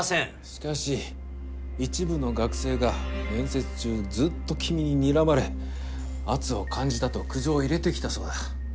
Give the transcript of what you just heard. しかし一部の学生が面接中ずっと君ににらまれ圧を感じたと苦情を入れてきたそうだ。